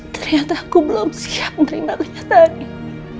ternyata aku belum siap nerima kenyataan ini